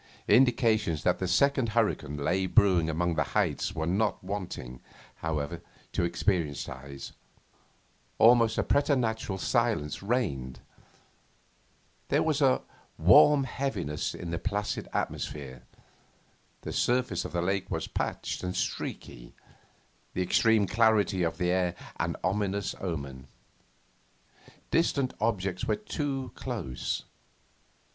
Indications that the second hurricane lay brewing among the heights were not wanting, however, to experienced eyes. Almost a preternatural silence reigned; there was a warm heaviness in the placid atmosphere; the surface of the lake was patched and streaky; the extreme clarity of the air an ominous omen. Distant objects were too close.